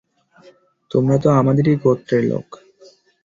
তোমরা তো আমাদেরই গোত্রের লোক।